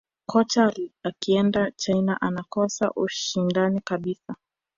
kocha akienda china anakosa ushindani kabisa